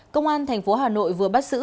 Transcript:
công an tp hà nội vừa bắt xử